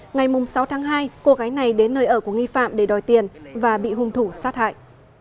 ngày sáu tháng hai cô gái này đến nơi ở của nghi phạm để đòi tiền và bị hung thủ sát hại